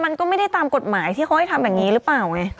มันก็ไม่ได้ตามกฎหมายที่เขาให้ทำอย่างนี้หรือเปล่าไง